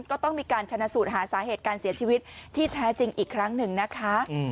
ก็ต้องมีการชนะสูตรหาสาเหตุการเสียชีวิตที่แท้จริงอีกครั้งหนึ่งนะคะ